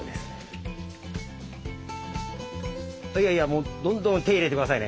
もうどんどん手入れて下さいね。